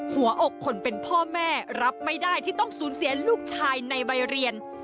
หัวอกคนเป็นพ่อแม่รับไม่ได้ที่ต้องสูญเสียลูกชายในวัยเรียน